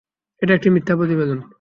এটা একটি মিথ্যা প্রতিবেদন।